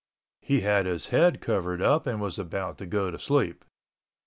He had his head covered up and was about to go to sleep.